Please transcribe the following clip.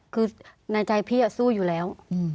คือในใจพี่สู้อยู่แล้ว